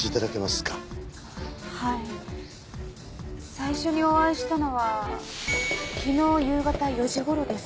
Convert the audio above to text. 最初にお会いしたのは昨日夕方４時頃です。